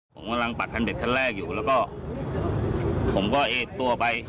ผมกำลังปักคันเด็กคันแรกอยู่แล้วก็ผมก็เอ็ดตัวไป